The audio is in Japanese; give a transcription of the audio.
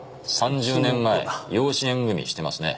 ３０年前養子縁組してますね。